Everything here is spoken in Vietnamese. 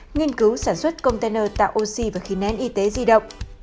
nghiên cứu sản xuất container tạo oxy và khí nén y tế di động